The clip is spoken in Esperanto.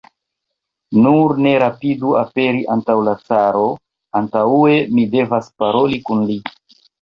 Nur ne rapidu aperi antaŭ la caro, antaŭe mi devas paroli kun li.